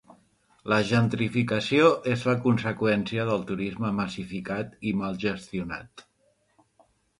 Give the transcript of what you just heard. La gentrificació és la conseqüència del turisme massificat i mal gestionat.